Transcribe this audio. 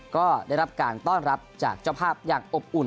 ก็ได้รับการต้อนรับจากเจ้าภาพอย่างอบอุ่น